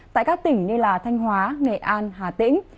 tại các tỉnh như thanh hóa nghệ an hà tĩnh